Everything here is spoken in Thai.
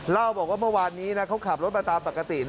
เล่าบอกว่าเมื่อวานนี้นะเขาขับรถมาตามปกติ